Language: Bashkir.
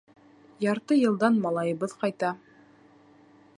Ярты йылдан малайыбыҙ ҡайта.